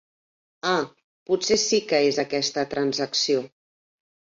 Ah, potser sí que és aquesta transacció.